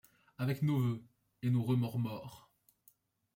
Avec nos voeux et nos remords Morts.